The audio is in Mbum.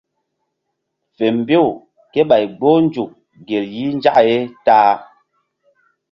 Fe mbew kéɓay gboh nzuk gel yih nzak ye ta-a.